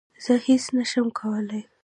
زه هیڅ نه شم کولای